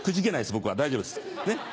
僕は大丈夫です。